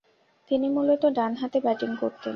তিনি মূলতঃ ডানহাতে ব্যাটিং করতেন।